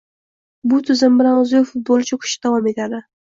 Bu tizim bilan o‘zbek futboli cho‘kishda davom etadi